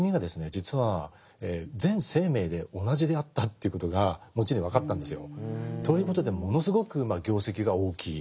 実は全生命で同じであったということが後に分かったんですよ。ということでものすごく業績が大きい。